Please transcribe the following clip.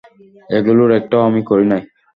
এগুলোর একটাও আমি করি নাই।